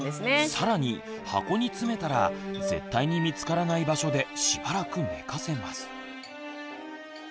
さらに箱に詰めたら絶対に見つからない場所でしばらく寝かせます。